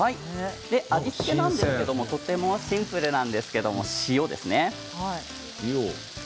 味付けはとてもシンプルなんですけれど、塩ですね。